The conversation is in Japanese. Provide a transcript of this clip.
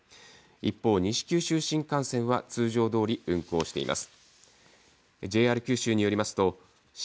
一方、西九州新幹線は通常どおり運行しています。